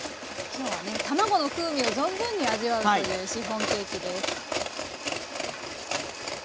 今日はね卵の風味を存分に味わうというシフォンケーキです。